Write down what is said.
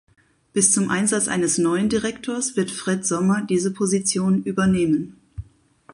Bis zum Einsatz eines neuen Direktors wird Fred Sommer diese Position übernehmen.